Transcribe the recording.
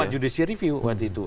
ada empat judisial review waktu itu